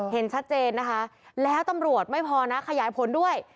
เห็นชัดเจนนะคะแล้วตำรวจไม่พอนะขยายผลด้วย